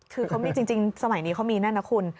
คือเขามีจริงสมัยนี้เขามีแน่นนะคุณ